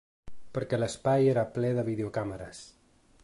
Perquè l’espai era ple de videocàmeres.